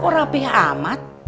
kok rapih amat